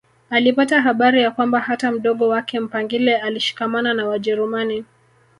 Alipata habari ya kwamba hata mdogo wake Mpangile alishikamana na Wajerumani